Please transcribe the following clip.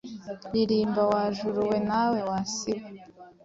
Ririmba wa juru we nawe wa si we,